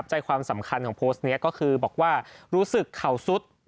ใจความสำคัญของโพสต์นี้ก็คือบอกว่ารู้สึกเข่าสุด